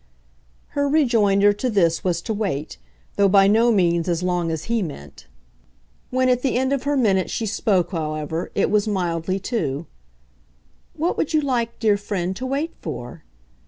Her rejoinder to this was to wait though by no means as long as he meant. When at the end of her minute she spoke, however, it was mildly too. "What would you like, dear friend, to wait for?"